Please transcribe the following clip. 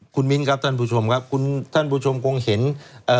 คุณมิ้นครับท่านผู้ชมครับคุณท่านผู้ชมคงเห็นเอ่อ